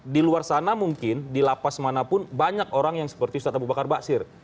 di luar sana mungkin di lapas manapun banyak orang yang seperti ustadz abu bakar basir